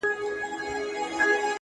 يو څو زلميو ورته هېښ کتله!.